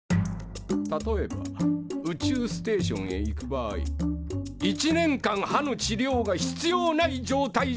例えば宇宙ステーションへ行く場合１年間歯の治療が必要ない状態じゃないといけません。